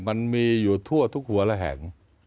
มันมีอยู่ทั่วทุกหัวระแห่ง